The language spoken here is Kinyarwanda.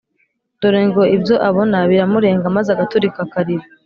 dore ngo ibyo abona biramurenga maze agaturika akarira